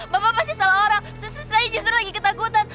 bapak masih salah orang saya justru lagi ketakutan